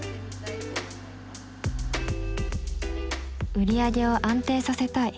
売り上げを安定させたい。